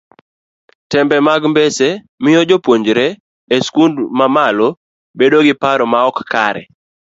tembe mag mbese miyo jopuonjre e skunde mamalo bedo gi paro maok kare